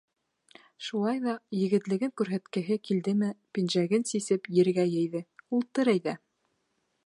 Шулай ҙа, егетлеген күрһәткеһе килдеме, пинжәген сисеп, ергә йәйҙе: «Ултыр әйҙә».